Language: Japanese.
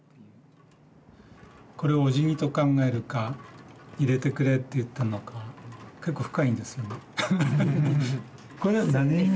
これおじぎと考えるか入れてくれっていってんのか結構深いんですよね。